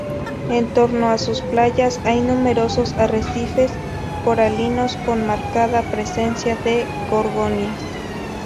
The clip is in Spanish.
En torno a sus playas hay numerosos arrecifes coralinos con marcada presencia de gorgonias.